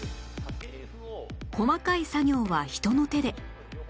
細かい作業は人の手で